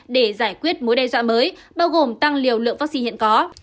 để giải quyết mối đe dọa mới bao gồm tăng liều lượng vaccine hiện có